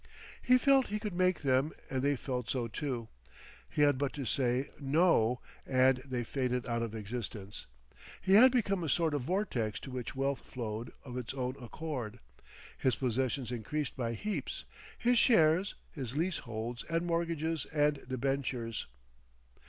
He felt he could make them, and they felt so too. He had but to say "No!" and they faded out of existence.... He had become a sort of vortex to which wealth flowed of its own accord. His possessions increased by heaps; his shares, his leaseholds and mortgages and debentures.